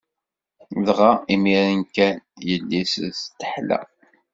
Dɣa, imiren kan, yelli-s teḥla.